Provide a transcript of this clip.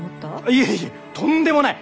いえいえとんでもない！